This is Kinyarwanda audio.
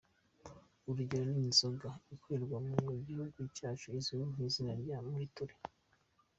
Urugero ni inzoga ikorerwa mu gihugu cyacu izwi kw’izina rya “muriture”.